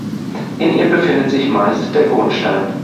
In ihr befindet sich meist der Grundstein.